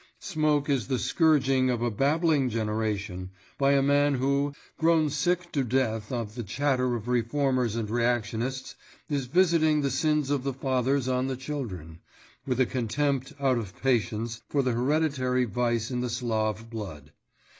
Smoke is the scourging of a babbling generation, by a man who, grown sick to death of the chatter of reformers and reactionists, is visiting the sins of the fathers on the children, with a contempt out of patience for the hereditary vice in the Slav blood.